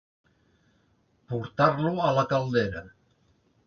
Portar-lo a la caldera.